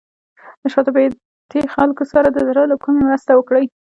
د شاته پاتې خلکو سره د زړه له کومې مرسته وکړئ.